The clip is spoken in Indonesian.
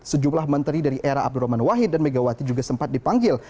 sejumlah menteri dari era abdurrahman wahid dan megawati juga sempat dipanggil